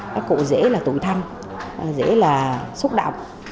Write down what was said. các cụ dễ là tụi thanh dễ là xúc động